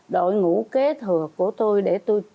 đội ngũ kế thừa của tôi để tôi